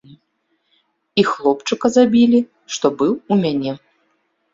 І хлопчыка забілі, што быў у мяне.